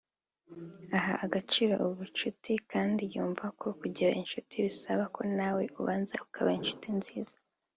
Aha agaciro ubucuti kandi yumva ko kugira incuti bisaba ko nawe ubanza ukaba incuti nziza